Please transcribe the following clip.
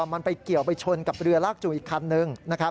มันไปเกี่ยวไปชนกับเรือลากจู่อีกคันนึง